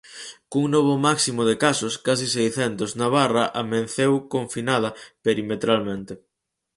Cun novo máximo de casos, case seiscentos, Navarra amenceu confinada perimetralmente.